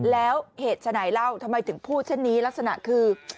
แล้วเหตุฉนายเล่าทำไมถึงพูดเช่นนี้ลักษณะคือ